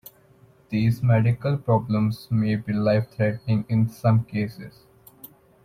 These medical problems may be life-threatening in some cases.